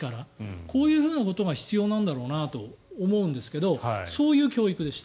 こういうことが必要なんだろうなと思うんですがそういう教育でした。